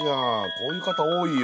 こういう方多いよ。